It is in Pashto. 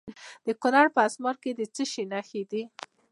د کونړ په اسمار کې د څه شي نښې دي؟